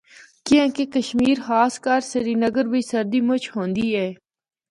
کیانکہ کشمیر خاص کر سرینگر بچ سردی مُچ ہوندی اے۔